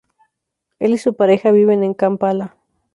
Él y su pareja viven en Kampala.